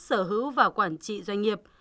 sở hữu và quản trị doanh nghiệp